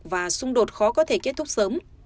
và xung đột khó có thể kết thúc sớm